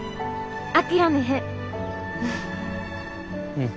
うん。